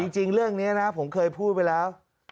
จริงเรื่องนี้นะผมเคยพูดไปแล้ว